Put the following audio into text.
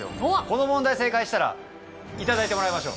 この問題正解したらいただいてもらいましょう。